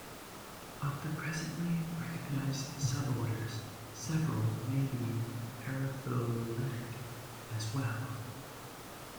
Of the presently recognized suborders, several may be paraphyletic, as well.